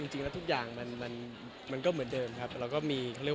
เช่นทุกอย่างก็เหมือนเดิม